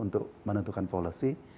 untuk menentukan policy